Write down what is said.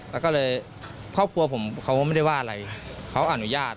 แล้วก็เลยครอบครัวผมเขาก็ไม่ได้ว่าอะไรเขาอนุญาต